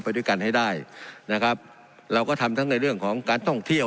ไปด้วยกันให้ได้นะครับเราก็ทำทั้งในเรื่องของการท่องเที่ยว